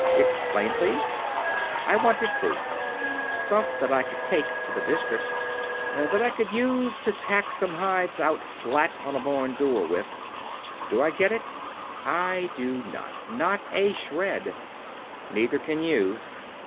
"Explain, please?" "I wanted proof. Stuff that I could take to the District that I could use to tack some hides out flat on a barn door with. Do I get it? I do not. Not a shred. Neither can you.